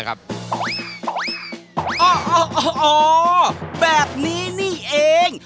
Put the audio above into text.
โอ้โหแบบนี้นี่เอง